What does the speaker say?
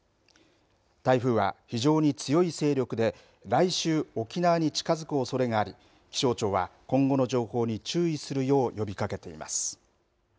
台風は非常に強い勢力で来週、沖縄に近づくおそれがあり気象庁は、今後の情報に注意するよう呼びかけています。